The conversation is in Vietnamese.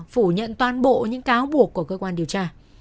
phủ nhận toàn bộ những cáo buộc của cơ quan điều tra